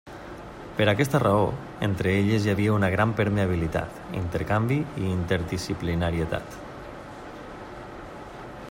Per aquesta raó, entre elles hi ha una gran permeabilitat, intercanvi i interdisciplinarietat.